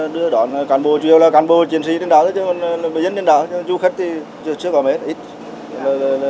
đưa đoàn can bô chủ yếu là can bô chiến sĩ đến đảo chứ không phải dân đến đảo chứ không phải du khách chứ không phải mấy ít